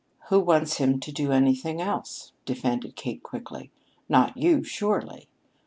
"Who wants him to do anything else!" defended Kate quickly. "Not you, surely!